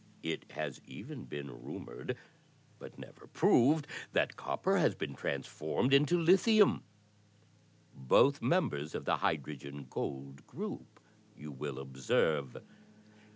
It has even been rumored but never proved that copper has been transformed into lithitun — both members of the hydrogen gold group, you will observe.